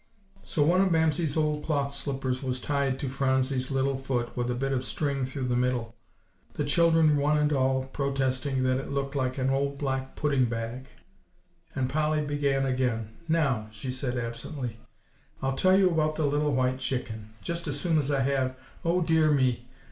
So one of Mamsie's old cloth slippers was tied on to Phronsie's little foot with a bit of string through the middle, the children one and all protesting that it looked like an old black pudding bag; and Polly began again, "Now," she said absently, "I'll tell you about the little white chicken just as soon as I have oh, dear me!